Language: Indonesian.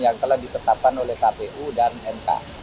yang telah ditetapkan oleh kpu dan mk